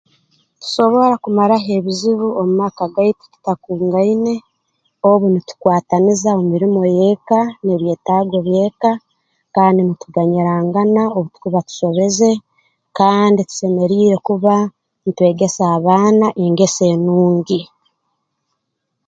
Tusobora kumaraho ebizibu omu maka gaitu tutakungaine obu nitukwataniza mu mirimo y'eka n'ebyetaago by'eka kandi nituganyirangana obu tukuba tusobeze kandi tusemeriire kuba ntwegesa abaana engeso enungi